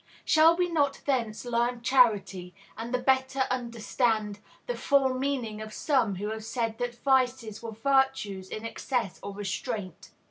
Shall we not thence learn charity, and the better understand the full meaning of some who have said that vices were virtues in excess or restraint?